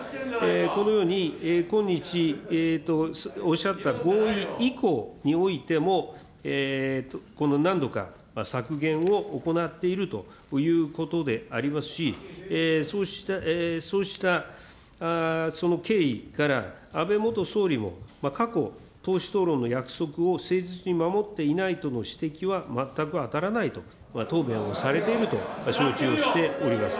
このように今日、おっしゃった合意以降においても、何度か削減を行っているということでありますし、そうした経緯から、安倍元総理も過去、党首討論の約束を誠実に守っていないとの指摘は全く当たらないと、答弁をされていると承知をしております。